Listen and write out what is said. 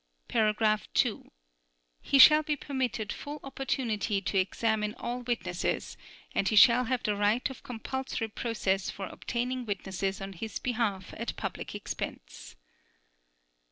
(2) He shall be permitted full opportunity to examine all witnesses, and he shall have the right of compulsory process for obtaining witnesses on his behalf at public expense.